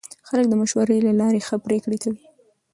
خلک د مشورې له لارې ښه پرېکړې کوي